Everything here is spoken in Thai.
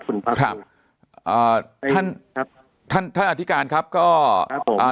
คุณครับครับอ่าท่านครับท่านท่านอธิการครับก็ครับผมอ่า